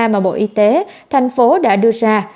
mà bộ y tế thành phố đã đưa ra